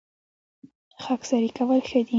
خاکساري کول ښه دي